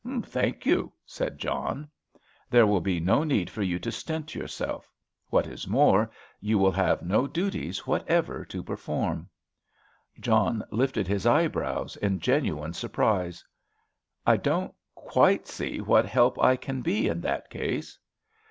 "Thank you," said John. "There will be no need for you to stint yourself. What is more, you will have no duties whatever to perform!" John lifted his eyebrows in genuine surprise. "I don't quite see what help I can be in that case!"